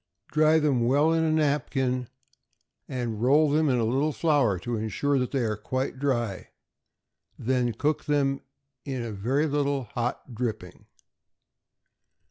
Dry them well in a napkin, and roll them in a little flour to insure that they are quite dry, then cook them in a very little hot dripping.